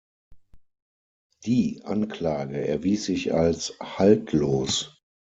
Die Anklage erwies sich als haltlos.